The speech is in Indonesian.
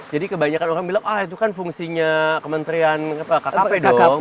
jadi kebanyakan orang bilang ah itu kan fungsinya kementerian kkp dong perintah kanan